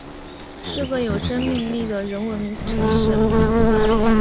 是个有生命力的人文城市